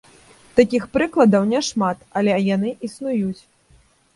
Такіх прыкладаў няшмат, але яны існуюць.